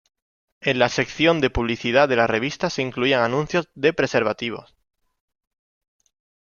En la sección de publicidad de la revista se incluían anuncios de preservativos.